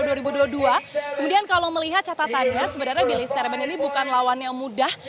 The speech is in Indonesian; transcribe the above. kemudian kalau melihat catatannya sebenarnya billy stereben ini bukan lawan yang mudah